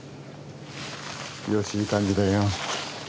ヨシいい感じだよ。